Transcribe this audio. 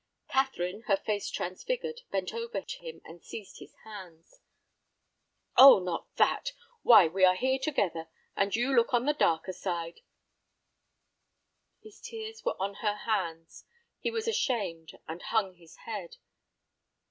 Catherine, her face transfigured, bent over him, and seized his hands. "Oh, not that! Why, we are here together, and you look on the darker side—" His tears were on her hands; he was ashamed, and hung his head.